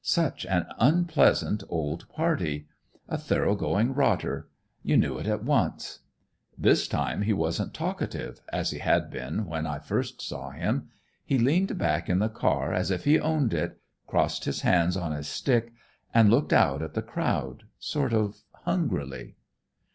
Such an unpleasant old party! A thorough going rotter; you knew it at once. This time he wasn't talkative, as he had been when I first saw him. He leaned back in the car as if he owned it, crossed his hands on his stick and looked out at the crowd sort of hungrily.